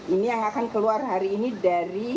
ini yang akan keluar hari ini dari